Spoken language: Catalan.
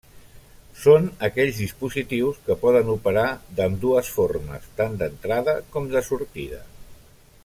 Són aquells dispositius que poden operar d'ambdues formes, tant d'entrada com de sortida.